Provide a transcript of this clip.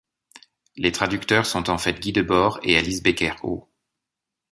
Les traducteurs sont en fait Guy Debord et Alice Becker-Ho.